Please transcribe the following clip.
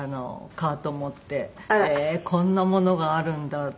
カート持って「へえーこんなものがあるんだ。